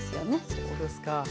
そうですか。